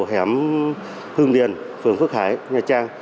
hẻm hương điền phường phước hải nha trang